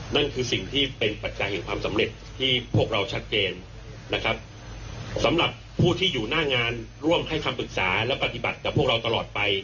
นั่นคือสิ่งที่เป็นปัจจัยแห่งความสำเร็จที่พวกเราชัดเจนนะครับสำหรับผู้ที่อยู่หน้างานร่วมให้คำปรึกษาและปฏิบัติกับพวกเราตลอดไป